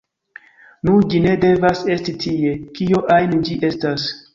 “Nu, ĝi ne devas esti tie, kio ajn ĝi estas.